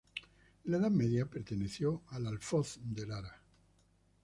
En la Edad Media perteneció al Alfoz de Lara.